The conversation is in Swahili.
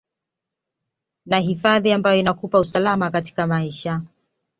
na hadhi ambayo inakupa usalama katika maisha